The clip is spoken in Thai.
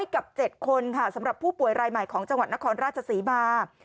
กับ๗คนค่ะสำหรับผู้ป่วยรายใหม่ของจังหวัดนครราชศรีมา